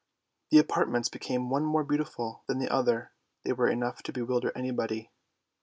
The apartments became one more beautiful than the other; they were enough to bewilder anybody.